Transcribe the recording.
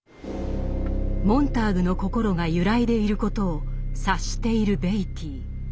モンターグの心が揺らいでいることを察しているベイティー。